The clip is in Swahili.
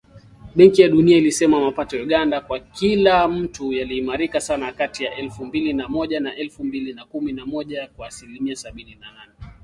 Benki ya Dunia ilisema mapato ya Uganda kwa kila mtu yaliimarika sana kati ya elfu mbili na moja na elfu mbili na kumi na moja kwa asilimia sabini na nne.